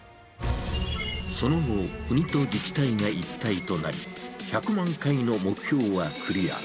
その後、国と自治体が一体となり、１００万回の目標はクリア。